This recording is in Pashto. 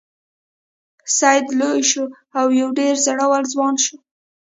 سید لوی شو او یو ډیر زړور ځوان شو.